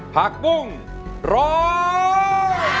ผักปุ้งร้อง